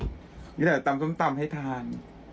เดี๋ยวเดี๋ยวตำสำตำให้ทาน